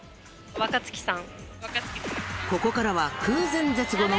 若槻さん。